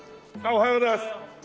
おはようございます。